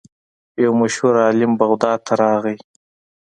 یو مشهور عالم بغداد ته راغی.